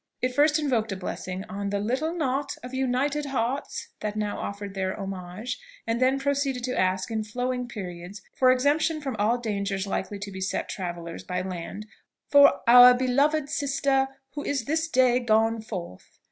It first invoked a blessing on the little knot of united hearts that now offered their homage, and then proceeded to ask, in flowing periods, for exemption from all dangers likely to beset travellers by land for "our beloved sister who is this day gone forth."